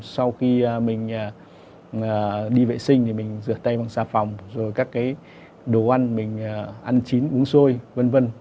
sau khi mình đi vệ sinh thì mình rửa tay bằng xà phòng rồi các cái đồ ăn mình ăn chín uống sôi v v